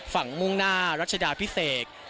มุ่งหน้ารัชดาพิเศษ